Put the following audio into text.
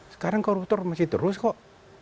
sekarang koruptor masih terus kok